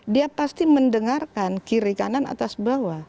dia pasti mendengarkan kiri kanan atas bawah